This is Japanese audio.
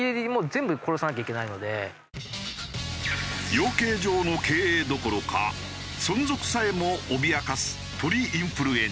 養鶏場の経営どころか存続さえも脅かす鳥インフルエンザ。